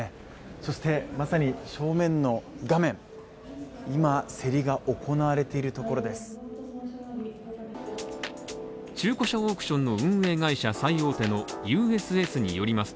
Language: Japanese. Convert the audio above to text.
そして、まさに正面の画面、今、競りが行われているところです。